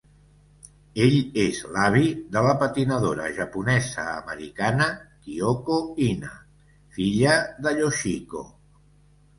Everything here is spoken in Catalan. Ell és l"avi de la patinadora japonesa-americana Kyoko Ina, filla de Yoshiko.